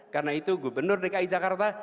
karena itu gubernur dki jakarta